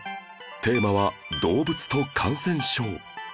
テーマは動物と感染症